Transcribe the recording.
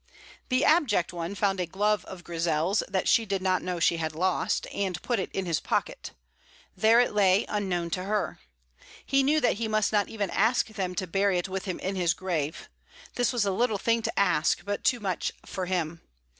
The abject one found a glove of Grizel's, that she did not know she had lost, and put it in his pocket. There it lay, unknown to her. He knew that he must not even ask them to bury it with him in his grave. This was a little thing to ask, but too much for him.